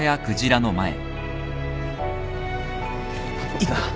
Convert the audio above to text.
いいか？